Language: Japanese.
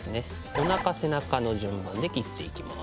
お腹背中の順番で切っていきます。